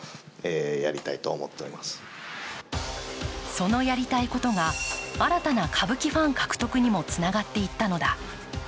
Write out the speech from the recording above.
そのやりたいことが新たな歌舞伎ファン獲得にもつながっていったのだ。